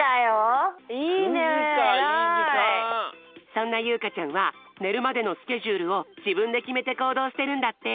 そんなゆうかちゃんはねるまでのスケジュールをじぶんできめてこうどうしてるんだって。